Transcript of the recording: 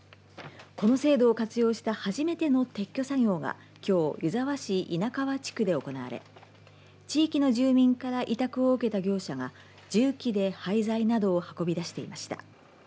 この制度を活用した初めての撤去作業が初めて湯沢市稲川地区で行われ地域の住民から委託を受けた業者が重機で廃材などを運び出していました。